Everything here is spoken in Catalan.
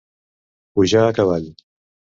Pujar a cavall.